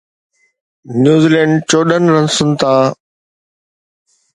New Zealand چوڏهن رنسن تان